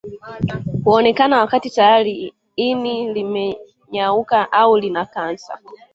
Huonekana wakati tayari ini limenyauka au lina kansa